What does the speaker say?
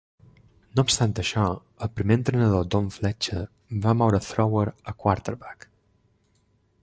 No obstant això, el primer entrenador Don Fletcher va moure Thrower a quarterback.